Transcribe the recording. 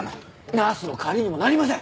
ナースの代わりにもなりません！